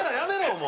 もう。